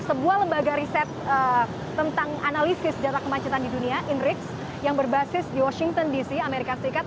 sebuah lembaga riset tentang analisis data kemacetan di dunia inrix yang berbasis di washington dc amerika serikat